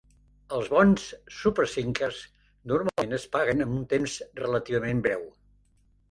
Els bons "super sinkers" normalment es paguen en un temps relativament breu.